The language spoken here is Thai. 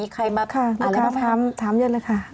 ค่ะลูกค้าถามเยอะเลยค่ะ